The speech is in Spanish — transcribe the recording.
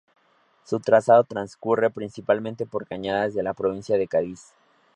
Su trazado transcurre principalmente por cañadas de la provincia de Cádiz.